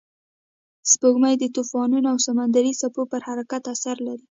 سپوږمۍ د طوفانونو او سمندري څپو پر حرکت اثر لري